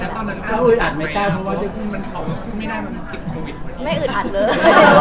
ว่าสิ่งนี้ไม่งบเงินเลย